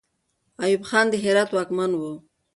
ایوب خان د هرات واکمن وو.